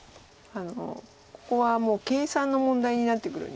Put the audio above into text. ここはもう計算の問題になってくるんですが。